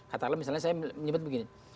katakanlah misalnya saya menyebut begini